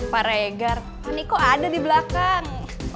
pak regar pak niko ada di belakang